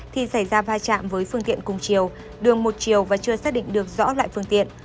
thì xảy ra va chạm với phương tiện cùng chiều đường một chiều và chưa xác định được rõ loại phương tiện